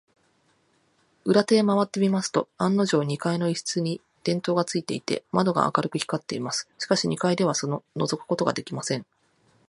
裏手へまわってみますと、案のじょう、二階の一室に電燈がついていて、窓が明るく光っています。しかし、二階ではのぞくことができません。